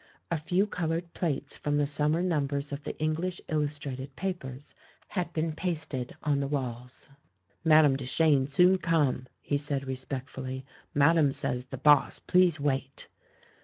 A few coloured plates from the summer numbers of the English illustrated papers had been pasted on the walls. "Madame Duchene soon come," he said re spectfully; "madame says, the haas please wait!"